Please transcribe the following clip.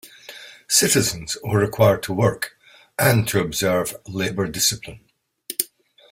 Citizens were required to work and to observe labor discipline.